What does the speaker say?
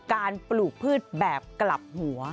ปลูกพืชแบบกลับหัว